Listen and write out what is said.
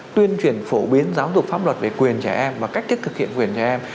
tuyên truyền phổ biến giáo dục pháp luật về quyền trẻ em và cách thức thực hiện quyền trẻ em